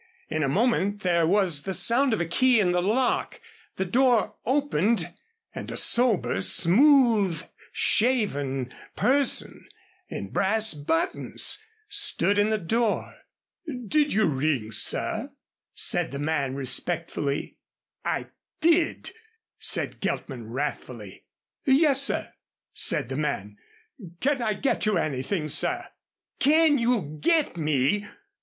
In a moment there was the sound of a key in the lock, the door opened, and a sober, smooth shaven person in brass buttons stood in the door. "Did you ring, sir?" said the man, respectfully. "I did," said Geltman, wrathfully. "Yes, sir," said the man. "Can I get you anything, sir?" "Can you get me